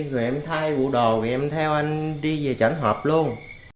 rồi em thay vụ đồ rồi em theo anh đi về tránh họp luôn